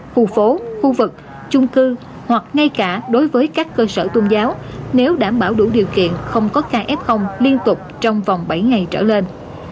khu phố khu vực chung cư hoặc ngay cả đối với các cơ sở tôn giáo nếu đảm bảo đủ điều kiện không có ca f liên tục trong vòng bảy ngày trở lên